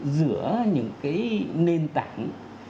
giữa những cái nền tảng